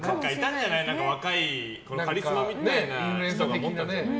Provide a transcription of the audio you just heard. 若いカリスマみたいな人が。